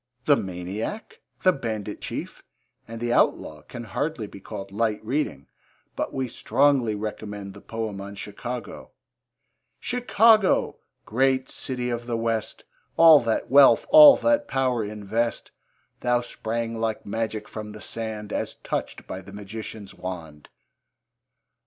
The Maniac, The Bandit Chief, and The Outlaw can hardly be called light reading, but we strongly recommend the poem on Chicago: Chicago! great city of the West! All that wealth, all that power invest; Thou sprang like magic from the sand, As touched by the magician's wand.